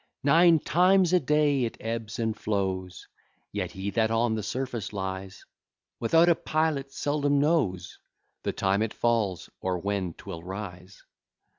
Nine times a day it ebbs and flows, Yet he that on the surface lies, Without a pilot seldom knows The time it falls, or when 'twill rise.